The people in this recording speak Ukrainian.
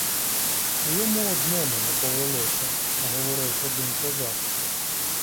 Йому одному не повелося, говорив один козак.